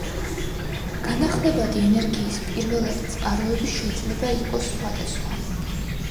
განახლებადი ენერგიის პირველადი წყაროები შეიძლება იყოს სხვადასხვა.